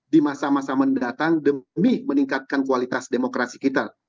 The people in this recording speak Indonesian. di masa masa mendatang demi meningkatkan kualitas demokrasi kita